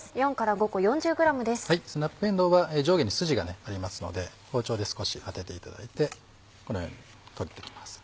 スナップえんどうは上下にスジがありますので包丁で少し当てていただいてこのように取っていきます。